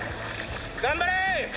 頑張れ。